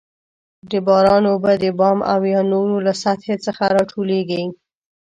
د باران اوبه د بام او یا نورو له سطحې څخه راټولیږي.